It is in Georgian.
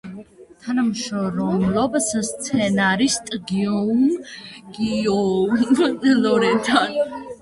თანამშრომლობს სცენარისტ გიიომ ლორენთან.